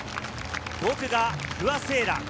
５区が不破聖衣来。